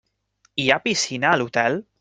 Hi ha piscina a l'hotel?